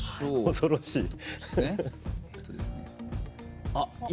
恐ろしい。